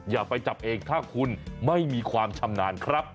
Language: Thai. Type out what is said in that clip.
อย่าไปจับเองถ้าคุณไม่มีความชำนาญครับ